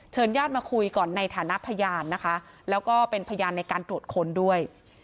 ญาติมาคุยก่อนในฐานะพยานนะคะแล้วก็เป็นพยานในการตรวจค้นด้วย